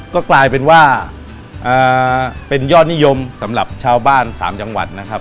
ก็กลายเป็นว่าเป็นยอดนิยมสำหรับชาวบ้าน๓จังหวัดนะครับ